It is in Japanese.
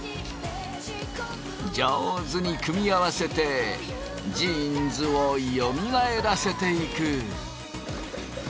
上手に組み合わせてジーンズをよみがえらせていく。